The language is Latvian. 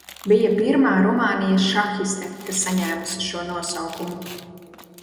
Bija pirmā Rumānijas šahiste, kas saņēmusi šo nosaukumu.